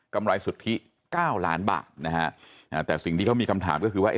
กำไรสุดที่๙ล้านบาทแต่สิ่งที่เขามีคำถามก็คือว่า